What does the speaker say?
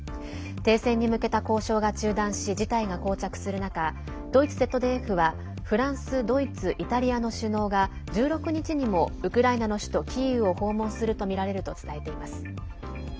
停戦に向けた交渉が中断し事態が、こう着する中ドイツＺＤＦはフランスドイツ、イタリアの首脳が１６日にもウクライナの首都キーウを訪問するとみられると伝えています。